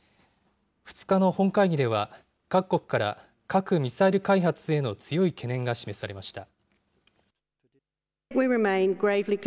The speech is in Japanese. ２日の本会議では、各国から核・ミサイル開発への強い懸念が示されました。